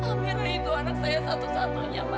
amirah itu anak saya satu satunya mas